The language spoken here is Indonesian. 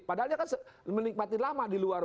padahal dia kan menikmati lama di luar